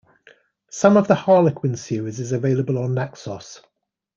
Some of the Harlequin series is available on Naxos.